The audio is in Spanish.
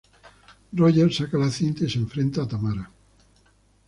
Roger saca la cinta y se enfrenta a Tamara.